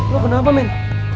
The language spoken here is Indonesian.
lo kenapa min